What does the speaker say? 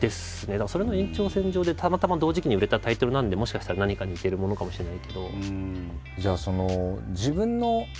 だからそれの延長線上でたまたま同時期に売れたタイトルなのでもしかしたら何か似てるものかもしれないけど。